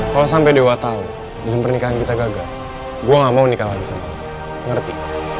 kalau sampai dewa tau diseneng pernikahan kita gagal gue gak mau nikah lagi sama lo ngerti